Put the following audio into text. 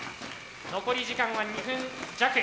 残り時間は２分弱。